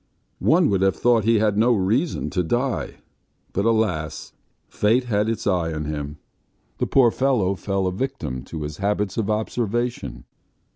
One would have thought he had no reason to die, but alas! fate had its eye on him. ... The poor fellow fell a victim to his habits of observation.